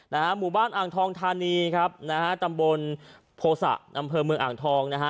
หมู่บ้านอ่างทองธานีครับนะฮะตำบลโภษะอำเภอเมืองอ่างทองนะฮะ